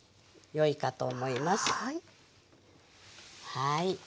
はい。